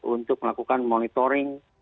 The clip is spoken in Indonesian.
untuk melakukan monitoring